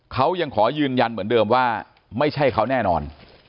เขายังขอยืนยันเหมือนเดิมว่าไม่ใช่เขาแน่นอน